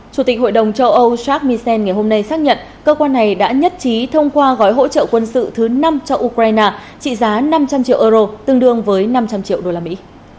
chủ tịch hội đồng châu âu charles misen ngày hôm nay xác nhận cơ quan này đã nhất trí thông qua gói hỗ trợ quân sự thứ năm cho ukraine trị giá năm trăm linh triệu euro tương đương với năm trăm linh triệu đô la mỹ